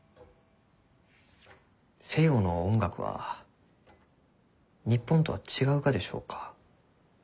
西洋の音楽は日本とは違うがでしょうか？